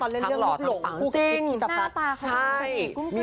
ทั้งหล่อทั้งฟังจริงหน้าตาคนนี้กุ้งคืออิ่มมาก